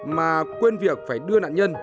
mà quên việc phải đưa nạn nhân